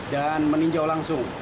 dan meninjau langsung